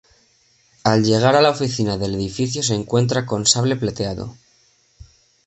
Al llegar a la oficina del edificio se encuentra con Sable Plateado.